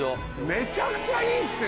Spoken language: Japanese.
めちゃくちゃいいっすね！